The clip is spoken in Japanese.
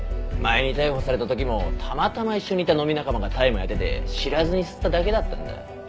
前に逮捕された時もたまたま一緒にいた飲み仲間が大麻やってて知らずに吸っただけだったんだ。